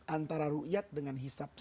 antara ru'iyat dengan hisab saja